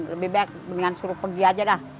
lebih baik mendingan suruh pergi aja dah